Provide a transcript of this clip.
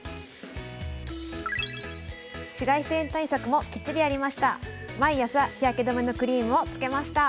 紫外線対策もきっちりやりました。